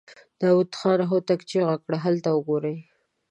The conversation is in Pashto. داوود خان هوتک چيغه کړه! هلته وګورئ!